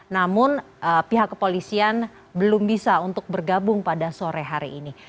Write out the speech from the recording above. namun pihak kepolisian belum bisa untuk bergabung pada sore hari ini